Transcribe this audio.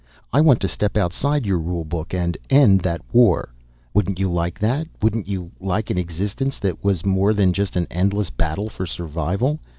I want to step outside your rule book and end that war. Wouldn't you like that? Wouldn't you like an existence that was more than just an endless battle for survival?